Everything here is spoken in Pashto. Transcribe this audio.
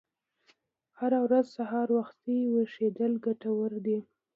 هره ورځ سهار وختي ویښیدل ګټور دي.